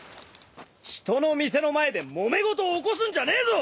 人の店の前でもめ事起こすんじゃねえぞ！